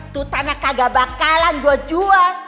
tuh tanda kagak bakalan gua jual